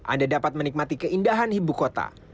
anda dapat menikmati keindahan ibu kota